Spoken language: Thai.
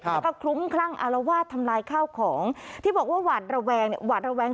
แล้วก็คลุ้มคลั่งอารวาสทำลายข้าวของที่บอกว่าหวัดระแวง